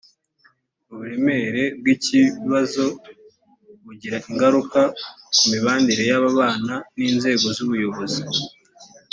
uburemere bw ikibazo bugira ingaruka ku mibanire y aba bana n inzego z ubuyobozi